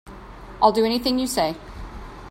I'll do anything you say.